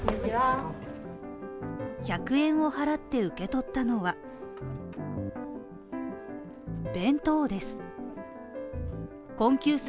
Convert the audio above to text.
１００円を払って受け取ったのは弁当です。